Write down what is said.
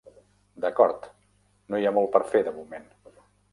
D'acord, no hi ha molt per fer de moment.